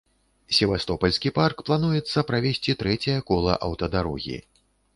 Севастопальскі парк плануецца правесці трэцяе кола аўтадарогі.